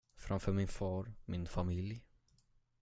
Framför min far, min familj?